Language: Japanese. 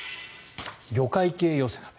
魚介系寄せ鍋。